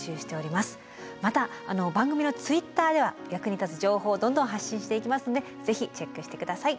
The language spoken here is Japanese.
また番組のＴｗｉｔｔｅｒでは役に立つ情報をどんどん発信していきますのでぜひチェックして下さい。